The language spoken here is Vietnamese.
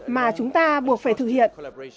mà chúng ta buộc phải thực hiện